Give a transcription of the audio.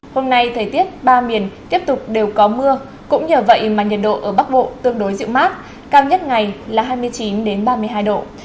hôm nay thời tiết ba miền tiếp tục đều có mưa cũng nhờ vậy mà nhiệt độ ở bắc bộ tương đối dịu mát cao nhất ngày là hai mươi chín ba mươi hai độ